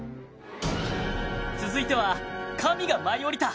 続いては、神が舞い降りた！